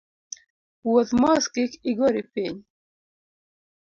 Wuoth mos kik igori piny